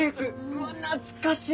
うわ懐かしい！